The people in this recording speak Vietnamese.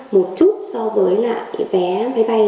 một chút so với lại vé máy bay